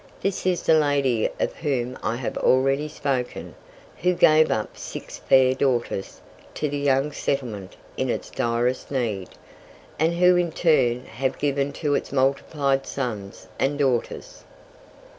This is the lady of whom I have already spoken, who gave up six fair daughters to the young settlement in its direst need, and who in turn have given to it multiplied sons and daughters.